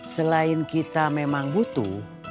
selain kita memang butuh